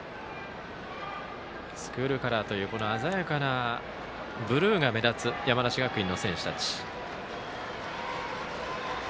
スクールカラーというこの鮮やかなブルーが目立つ山梨学院の選手たち。